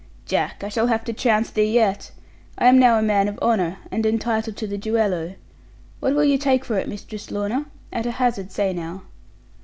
'Jack, I shall have to trounce thee yet. I am now a man of honour, and entitled to the duello. What will you take for it, Mistress Lorna? At a hazard, say now.'